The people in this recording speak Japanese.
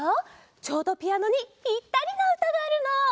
ちょうどピアノにぴったりなうたがあるの！